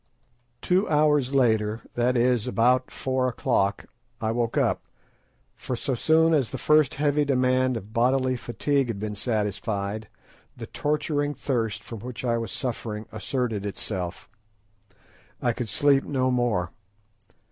Two hours later, that is, about four o'clock, I woke up, for so soon as the first heavy demand of bodily fatigue had been satisfied, the torturing thirst from which I was suffering asserted itself. I could sleep no more.